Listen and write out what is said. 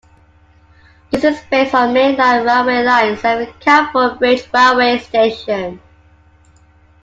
This is based on the main line railway line serving Catford Bridge railway station.